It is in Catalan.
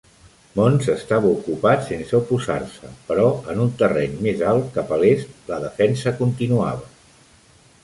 Mons estava ocupat sense oposar-se, però en un terreny més alt cap a l'est, la defensa continuava.